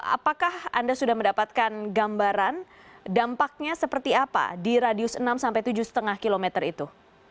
apakah anda sudah mendapatkan gambaran dampaknya seperti apa di radius enam sampai tujuh lima km itu